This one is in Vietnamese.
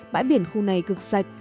bãi biển khu này cực sạch